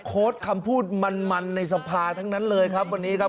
คำพูดมันในสภาทั้งนั้นเลยครับวันนี้ครับ